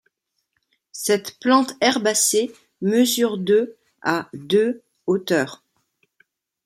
Cette plante herbacée mesure de à de hauteur.